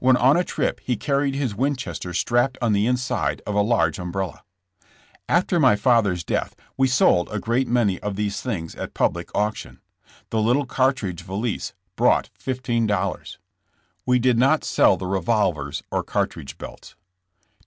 When on a trip h© carried his Winches ter strapped on the inside of a large umbrella. After my father's doath we sold a great many of these things at public auction. The little cartridge valise brought $15. We did not sell the revolvers or cartridge belts.